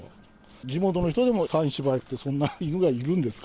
地元の人でも、山陰柴犬ってそんな犬がいるんですか？